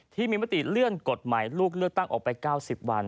ที่มีมาตรีเลื่อนกฎใหม่ลูกเลือกตั้งออกไป๙๐วัน